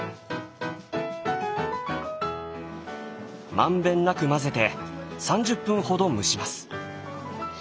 満遍なく混ぜて３０分ほど蒸します。